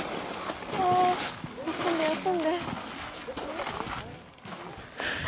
休んで休んで。